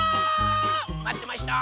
まってました！